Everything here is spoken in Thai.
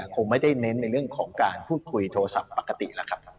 คงไม่ได้เน้นในเรื่องของการพูดคุยโทรศัพท์ปกติแล้วครับ